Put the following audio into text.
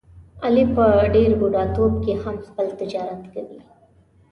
علي په ډېر بوډاتوب کې هم خپل تجارت کوي.